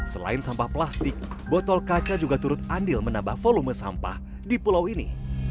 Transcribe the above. selain sampah plastik botol kaca juga turut andil menambah volume sampah di pulau ini